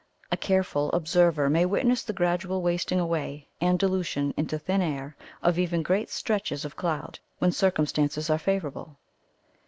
A careful observer may witness the gradual wasting away and dilution into thin air of even great stretches of cloud, when circumstances are favourable.